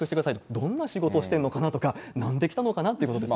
どんな仕事してるのかな？とか、なんで来たのかなということです